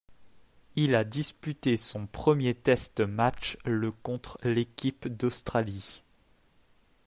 Il a disputé son premier test match le contre l'équipe d'Australie.